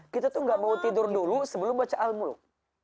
kita tuh gak mau tidur dulu sebelum baca al muluk